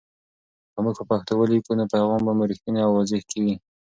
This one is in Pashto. که موږ په پښتو ولیکو، نو پیغام مو رښتینی او واضح کېږي.